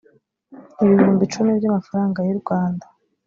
ibihumbi icumi by amafaranga y u rwanda